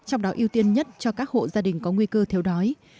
trong đó ưu tiên nhất cho các hộ gia đình có nguy cơ thiếu đói